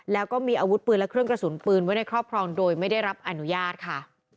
แล้วก็มีอาวุธปืนและเครื่องกระสุนปืนไว้ในครอบครองโดยไม่ได้รับอนุญาตค่ะ